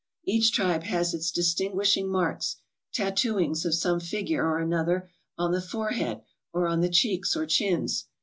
Each tribe has its dis tinguishing marks, tattooings of some figure or another on the forehead or on the cheeks or chins.